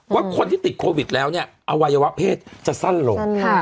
ว่าคนที่ติดโควิดแล้วเนี่ยอวัยวะเพศจะสั้นลง